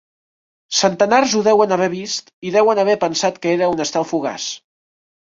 Centenars ho deuen haver vist i deuen haver pensat que era un estel fugaç.